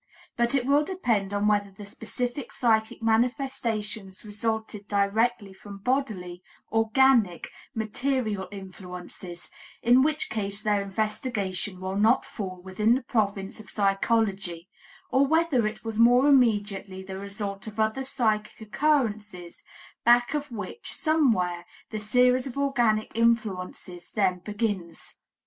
But it will depend on whether the specific psychic manifestations resulted directly from bodily, organic, material influences, in which case their investigation will not fall within the province of psychology, or whether it was more immediately the result of other psychic occurrences back of which, somewhere, the series of organic influences then begins.